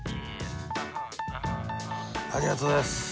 ありがとうございます。